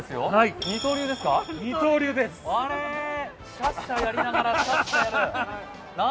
チャッチャやりながらシャッシャやる。